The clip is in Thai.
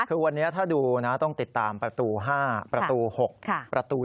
คือวันนี้ถ้าดูนะต้องติดตามประตู๕ประตู๖ประตู